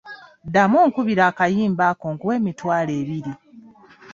Ddamu onkubire akayimba ako nkuwe emitwalo ebiri.